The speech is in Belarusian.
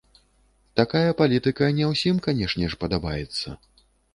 Такая палітыка не ўсім, канешне ж, падабаецца.